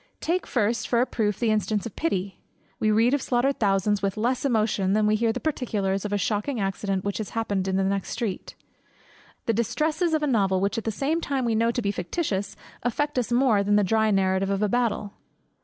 Take first for a proof the instance of pity. We read of slaughtered thousands with less emotion, than we hear the particulars of a shocking accident which has happened in the next street; the distresses of a novel, which at the same time we know to be fictitious, affect us more than the dry narrative of a battle.